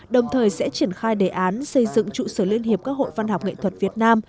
đồng thời sẽ triển khai đề án xây dựng trụ sở liên hiệp các hội văn học nghệ thuật việt nam